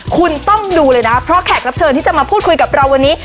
คุณต้องดูเลยนะเพราะแขกรับเชิญที่จะมาพูดคุยกับเราวันนี้